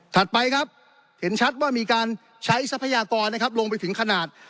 ไปครับเห็นชัดว่ามีการใช้ทรัพยากรนะครับลงไปถึงขนาด